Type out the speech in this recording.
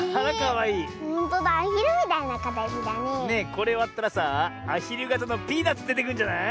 これわったらさあアヒルがたのピーナツでてくるんじゃない？